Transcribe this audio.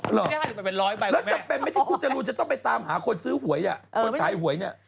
หรอกแล้วจำเป็นไหมที่คุณจรูนจะต้องไปตามหาคนซื้อหวยอ่ะคนขายหวยเนี่ย